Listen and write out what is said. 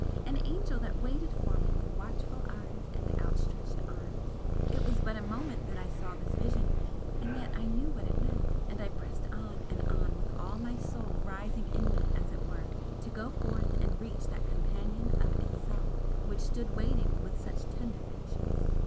an angel that waited for me with watchful eyes and outstretched arms! it was but a moment that I saw this vision, and yet I knew what it meant, and I pressed on and on with all my Soul rising in me as it were, to go forth and reach that Companion of itself which stood waiting with such tender patience!